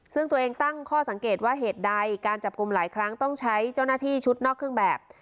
ซึ่งตัวเองตั้งข้อสังเกตว่าเหตุใดการจับกลุ่มหลายครั้งต้องใช้เจ้าหน้าที่ชุดนอกเครื่องแบบ